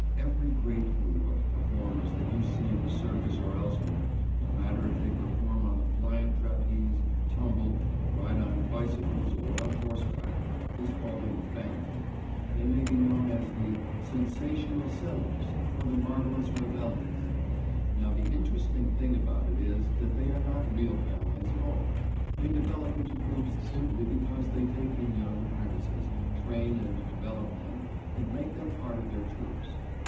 Every great group of performers that you see in the circus or elsewhere, no matter if they perform on the flying trapeze, tumble, or ride on bicycles or on horseback, is called a "family." They may be known as the Sensational Sellos or the Marvelous Revellis. Now the interesting thing about it is that they are not real families at all. They develop into groups simply because they take in young apprentices, train and develop them, and make them part of their troupes.